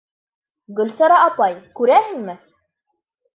Гөлсара апай, күрәһеңме?